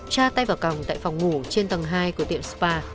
tra tay vào còng tại phòng ngủ trên tầng hai của tiệm spa